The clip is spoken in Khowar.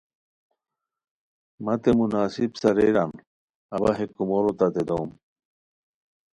متے مناسب ساریران اوا ہے کومورو تتے دوم